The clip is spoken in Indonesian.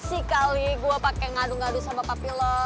sekali gue pake ngadu ngadu sama papi lo